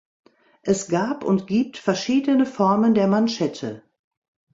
Es gab und gibt verschiedene Formen der Manschette.